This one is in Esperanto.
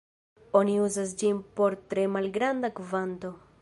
Oni uzas ĝin por tre malgranda kvanto.